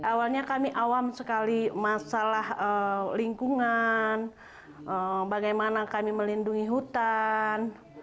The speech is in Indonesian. awalnya kami awam sekali masalah lingkungan bagaimana kami melindungi hutan